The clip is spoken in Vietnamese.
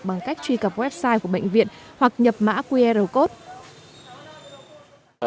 bằng cách truy cập website của bệnh viện hoặc nhập mã qr code